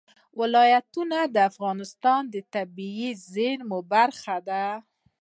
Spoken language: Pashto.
ولایتونه د افغانستان د طبیعي زیرمو برخه ده.